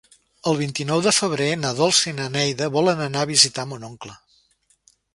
El vint-i-nou de febrer na Dolça i na Neida volen anar a visitar mon oncle.